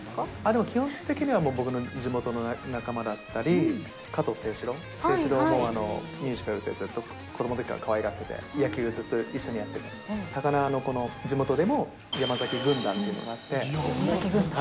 基本的には僕の地元の仲間だったり、加藤清史郎、清史郎も、ミュージカルでずっと子どものときからかわいがってて、野球をずっと一緒にやってて、高輪のこの地元でも山崎軍団って山崎軍団？